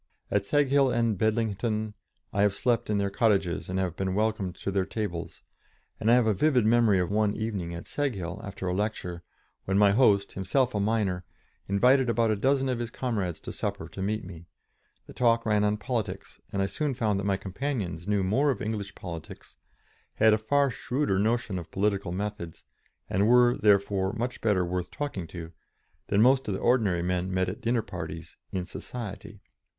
At Seghill and at Bedlington I have slept in their cottages and have been welcomed to their tables, and I have a vivid memory of one evening at Seghill, after a lecture, when my host, himself a miner, invited about a dozen of his comrades to supper to meet me; the talk ran on politics, and I soon found that my companions knew more of English politics, had a far shrewder notion of political methods, and were, therefore, much better worth talking to, than most of the ordinary men met at dinner parties "in society."